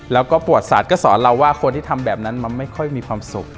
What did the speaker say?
แล้วก็ประวัติศาสตร์ก็สอนเราว่าคนที่ทำแบบนั้นมันไม่ค่อยมีความสุข